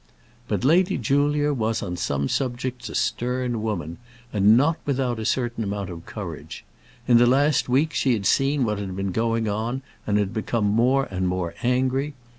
But Lady Julia was on some subjects a stern woman, and not without a certain amount of courage. In the last week she had seen what had been going on, and had become more and more angry.